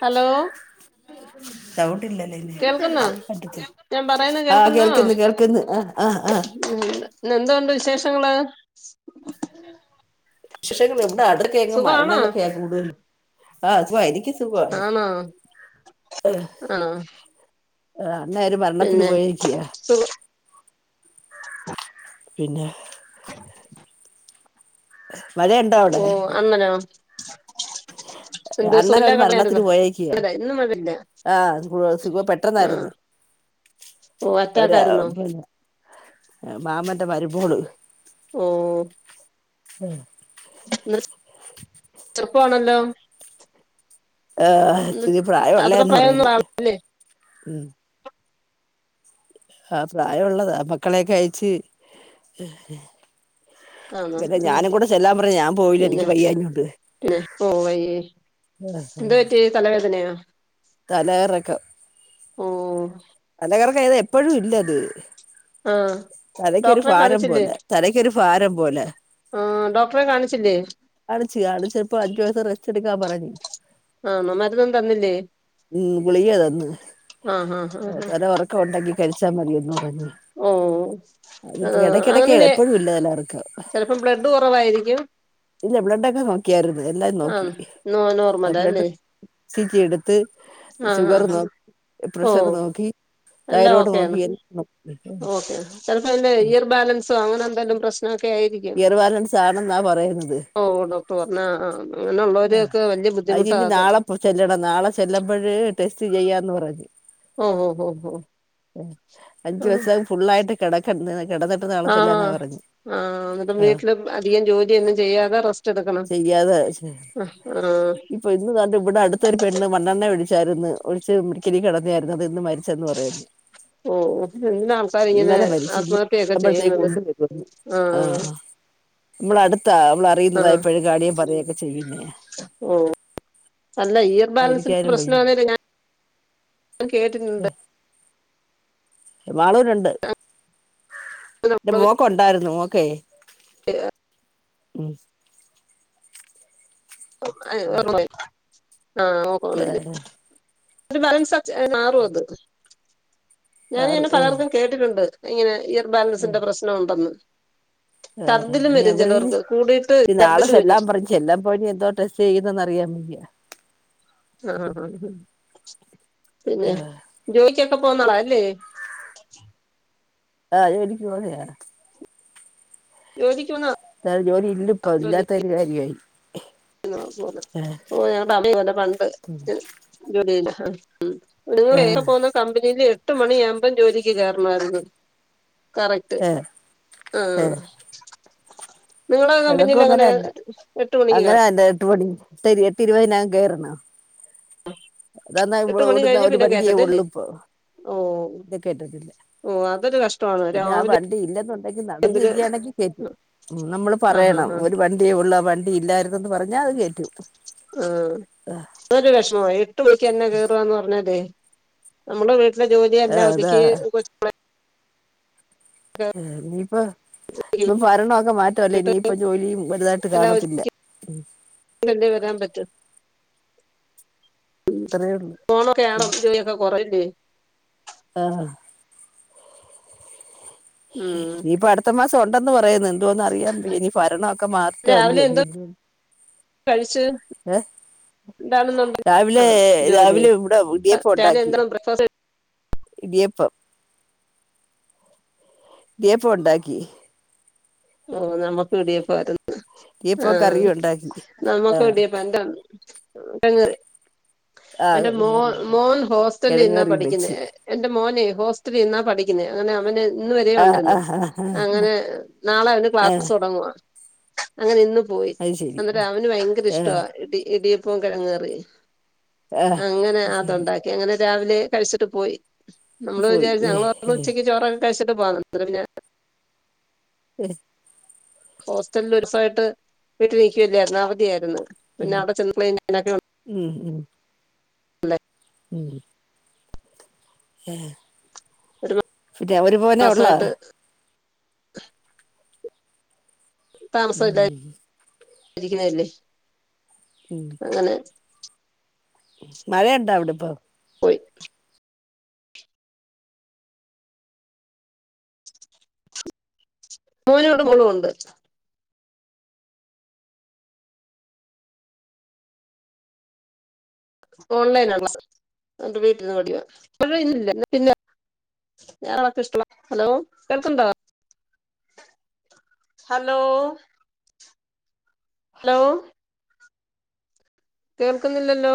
Hello sound ഇല്ലല്ലേ ഇനി കേൾക്കുന്നോ പത്. ഞാൻ പറയുന്ന ആഹ് കേൾക്കുന്നോ കേൾക്കുന്നു കേൾക്കുന്നു ആ ആഹ് ആ. എന്ന്തോണ്ട് വിശേഷങ്ങള്? എവിടെ അടക്ക എങ് സുഖാണോ മരണങ്ങൊക്കെയാ കൂടുത- ആഹ് സുഖവാ എനിക്ക് സുഖാവ ആണോ ആഹ് ആ എന്നര് മരണത്തിന് പിന്നെ പോയേരിക്കിയ. സുഖ പിന്നെ [unintelligible] അ ഓ അന്നനാ. [unintelligible] അണ്ണന ഒരുര് മരണത്തിന് കടയായിരുന്നോ പോയക്കിയ അല്ല ഇന്ന് മഴയില്ല ആഹ സുഖ ആഹ് പെട്ടെന്നായിരുന്നു. ഓ അവര് അറ്റാക്കായിരുന്നോ മാമന്റെ മരുമോള്. ഓ മ് പോണല്ലോ. ആ ഇരി അത്ര പ്രായമള്ളേന്ന് പ്രായമൊന്നും പറയുന്ന ആവില്ലേ ഉ ആ പ്രായമുള്ളത് മക്കളെക്കെ അഴച്ച്. ആണോ പിന്നെ ഉം ഞാനും കൂടെ ചെല്ലാൻ പറഞ്ഞ ഞാൻ പോയില്ല പിന്നെ എനിക്ക് വയ്യഞ്ഞോട്ടണ്ട്. ഓ വയ എന്താ പറ്റി തലവേദനയാ? തല കറക്കം. ഓഓ തല കറക്കം എപ്പഴും ഇല്ലത്. ആഹ് തലക്കൊരു ഡോക്ടറെ ഫാരം കാണിച്ചില്ലേ പോല തലക്കൊരു ഫാരം പോലെ. ആഹ് ഡോക്ടറെ കാണിച്ചില്ലേ അടിച്ചു അടിച്ച ഇപ്പൊ അഞ്ചു വയസം റസ്ച് എടുക്കാ പറഞ്ഞു. ആണോ മരുന്നും തന്നില്ലേ മ് ഗുളിക തന്ന്. ആഹ് ഹ. തല ഉറക്കം ഉണ്ടെങ്കി കഴിച്ചാൽ മതിയൊന്നൂ. ഓ അത്പ്പോ ആഹ് ഇടക്കിടക്ക് അങ്ങനെ എപ്പോഴും ഇല്ലതല്ലർക്ക ചെലപ്പം ബ്ലഡ് കുറവായിരിക്കും ഇല്ല ബ്ലഡൊക്കെ നോക്കിയാര്. എല്ലാരും നോക്കി ആഹ് നോ എ നോർമലാ അല്ലേ ചറ്റി എടുത്ത് ആഹ് ഷുഗർ ആഹ് നോി ആഹ് ഓ പ്രഷർ നോക്കി എല്ലാം തായറോഡ് ഓക്കെയാണ് നോക്കിയ ഓക്കെ ചെിലപ്പോ അതിന്റെ ഇയർ ബാലൻസോ അങ്ങനെ എന്തെങ്കിലും പ്രശ്നൊക്കെ ആയി എർവാലൻസ് ആണെന്നാ പറയുന്നത് ഓ ഡോക്ടർ പറഞ്ഞ ആഹ് ആഹ് ആ അങ്ങനെയുള്ളവരെയൊക്കെ വല്യ ബുദ്ധിമുട്ടാ അതിനി അത് നാളെ ചെല്ലണം നാളെ ചെല്ലുമ്പോഴ് ടെസ്റ്റ് ചെയ്യാ എന്ന് പറഞ്ഞു ആഹ ആഹ് ഹഹ ഹഹ അഞ്ചു വിവസ ഫുുള്ളായിട്ട് കിടക്ക കിടന്നിട്ട് നാളെ ചെല്ലാന്നാ പറഞ്ഞു ആന്നിട്ട് വീട്ടില് അധികം ജോലിയൊന്നും ചെയ്യാതെ റെസ്റ്റ് എടുക്കണം ആഹ ഇപ്പ ഇന്ന് കണ്ട് ഇവിടടുത്തൊരു പെണ്ണ് മണ്ണെണ്ണയൊഴിച് ായിന്ന് ഒിച്ച് മടിക്കലി കിന്നായിരുന്നു അത് ഇന്ന് മരിച്ചന്ന് പറയരുന്നു [unintelligible] ഓ എ ആൾക്കാർ ഇങ്ങനെ മരിച്ചു ഇന്ന് ആത്മഹത്യൊക്കെ ആവുമ്പോഴത്തേക്ക് ചെയ്യുന്നത് കൊണ്ട് വരുമെന്ന് ആ ആഹ ആഹ് നമ്മള അടുത്താ നമ്മള അറിയുന്നതായെപ്പഴു കാണുപറയൊക്കെ ചെയ്യും ഓ അല്ല ഇയർ ബാലൻസിന്റെ പ്രശ്നമാണേല ഞാാന് കേട്ടിട്ടുണ്ട് വളരുണ്ട് എന്റെ മോക്ക്ുണ്ടായിരുന്നു മോക്കേ ഉം അ ഒന്ന ആഹ നോക്കല്ല ഒരു ബാലൻസ് മാറും അത് ഞാനിങ്ങനെ പലർക്കും ആറ് കേട്ടിട്ടുണ്ട് ഇങ്ങനെ ഇയർബാലൻസിന്റെ പ്രശ്നംുണ്ടെന്ന് ആഹനിവര് കൂടിയിട്ട് പി ഛർദിൽ വരും നാളെല്ലാം പറഞ് എല്ലാം പോയി എന്തോ ടെസ്റ്റ് ചെയ്യുന്നന്ന് അറിയാ വേണ്ടിയാ ആഹ ആഹ പിന്നെ ജോ ൊക്കെ പോന്നോളാ അല്ലേ ആഹ് ജോലിക്ക് പോകുന്നെയാ ജോലി ജോലി ഇല്ല ഇപ്പ ഇല്ലാത്ത ഒരു കാര്യആയി പോെ ഓ ഞങ്ങളുടെ അമ്മി പോലെ പണ്ട് ജോലില്ല [unintelligible] ഒ നിങ്ങ ആഹ് ക്കെ പോുന്ന കമ്പനിൽ എട്ട് മണിാകുമ്പം ജോലിക്ക് കേറണമായിരുന്നു കറക്റ്റ് ഏഹ് ആഹ ചതൊക്കും അങ്ങനെന്നെ എട്ട് മണിക്ക് കയറണോ? അങ്ങനെ അഞ്ഞേ [unintelligible] കേയറണോ ആഹ് [inaudible] അതന്നാ ഇ ഒട്ടുന്ന ഒരു വണ്ടിയെ ഉള്ളുപ്പോ ഓ ഇപ്പോ കേട്ടിട്ടില്ല ഓ അതൊരു കഷ്ടമാണ് പിന്നെ ആ രാവിലെ വണ്ടി ഇല്ലെന്നുണ്ടെങ്കി നടന്നു എന്തൊരു വരിക്കയാണെങ്കിൽ കേറ്റും ഉ നമ്മള് ആഹാ പറയണം ഹാ ഒരു വണ്ടിയേ ഉള്ള വണ്ടി ഇല്ലായിരരുന്നുന്ന് പറഞ്ഞാൽ അത് കേറ്റു ആ നരു വിഷമ എട്ട് മണിക്ക് എന്നെ കേയറന്ന് പറഞ്ഞ അതെ നമ്മുടെ വീട്ടിലെ ജോലിയ ആഹ് എല്ലാം അതാ ഒതുക്കി കൊ ആഹ ന്നിപ്പൊ ഇപ്പൊ ഭരണൊക്കെ മാറ്റംല്ലേ വിട്ടിട്ട് ഇനിയിപ്പ ജോലിയും വലുതായിട്ട് എല്ലാം കാണത്തില്ല ഒതുക്കിയല്ലേ വരാൻ പറ്റും ഉ അത്രയേ ഉള്ളൂ ഫോണൊക്കെയ ആാണ് ജോലിയൊക്കെ കുറല്ലേ ആഹ് ഉം ഇീയിപ്പൊ അടുത്ത മാസം ഉണ്ടെന്ന് പറ പറയ എന്തോന്ന് അറിയൻ ഇനി ഭരണ ഒക്കെ മാറ്റം അല്ലേ കഴിിച്ചു രാവിലെ രാവിലെ ഇവിടെ ഇടിയപ്പഠ രാവിലെ ഉണ്ടാക്കി എന്താണ് ബ്രേക്ക്ഫാസ്റ്റ് ഇടിയപ്പം ഇടിയപ്പ ഉണ്ടാക്കി ഓ നമ്മുക്ക് ഇഡിയപ്പാരുന്നു ഇടിയപ്പം ആഹ കറിയും ഉണ്ടാക്കി നമ്മക്ക് ആഹ് ഇടിയപ്പ ആഹ് എന്റെ മോ കിഴങ്ങ് കറി ഉണ്ടാക്കി മോൻ ഹോസ്റ്റലി കിഴങ്ങ് നിന്നാ കറിയും പഠിക്കുന്ന വെച്ച് എന്റെ മോന് ഹോസ്റ്റൽ നിന്നാ പഠിക്ക അങ്ങനെ അവന് ഇന്ന് വരെയ ആഹ് ഉണ്ടിന്ന് ആഹ് ആഹ് അങ്ങനെ നാളെ അവന് ആഹ് ക്ലാസ് ആഹ് തുടങ്ങുവ അങ്ങനെ ഇന്ന് പോയി അത് ശരി അന്നേ രമന് ഭയങ്കര ആഹ് ഇഷ്ടവാ ഇടി ഇടിയപ്പം കിഴങ്ങ് കറി ആഹ് അങ്ങനെ ശരി അതുണ്ടാക്കി അങ്ങനെ രാവിലെ കഴിച്ചിട്ട് പോയി നമ്മള് പോയി വിചാരിച്ച ഞങ്ങള് ഓ ഉച്ചക്ക് ചോറൊക്കെ കഴിച്ചിട്ട് പോവാ പിന്നെ ശരി ഹോസ്റ്റലിൽ ഒരു ദിസമായിട്ട് വീട്ടിൽ നി ക്കല്ലായിരുന്നു അവധിയായിരുന്നു പിന്നെ അവിടെ ചെന്നക്കെല്ലെ ഉം ഉം [inaudible] ഉം ഏ ഒരു പിന്നെ ഒരു മോനെ ഉള്ളൂ മാസമായിട്ട് [unintelligible] ഉം താമസംല്ലരിക്കല്ലേ അങ്ങനെ മഴ ഇണ്ട അവിടെപ്പൊ പോയി മോനുണ്ട് മോളുമുണ്ട് ഓൺലൈന ക്ലാസ്റ്റ് ആണത് എന്നിട്ട് വീട്ടിൽന്ന് പഠിക്കുവ മഴ ഇന്നില്ല പിന്നെ ൻക്ക് ഇഷ്ട ഹലോ കേൾക്കുണ്ടോ ഹലോ ഹലോ കേൾക്കുന്നില്ലല്ലോ